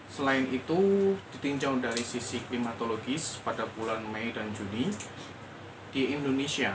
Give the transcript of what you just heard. selain itu ditinjau dari sisi klimatologis pada bulan mei dan juni di indonesia